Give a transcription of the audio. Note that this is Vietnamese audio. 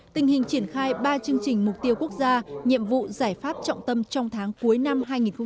tình hình triển khai ba chương trình mục tiêu quốc gia nhiệm vụ giải pháp trọng tâm trong tháng cuối năm hai nghìn hai mươi